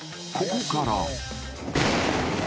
ここから］